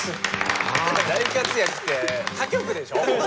「大活躍」って他局でしょ？